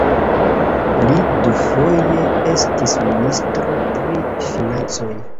Li dufoje estis ministro pri financoj.